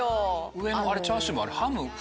上のチャーシューあれハム？